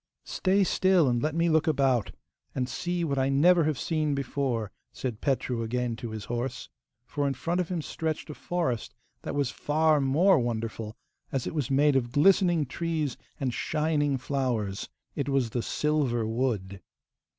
'Stay still, and let me look about, and see what I never have seen before,' said Petru again to his horse. For in front of him stretched a forest that was far more wonderful, as it was made of glistening trees and shining flowers. It was the silver wood.